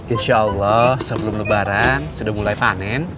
insya allah sebelum lebaran sudah mulai panen